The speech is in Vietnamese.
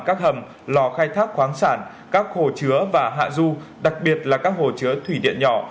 các hầm lò khai thác khoáng sản các hồ chứa và hạ du đặc biệt là các hồ chứa thủy điện nhỏ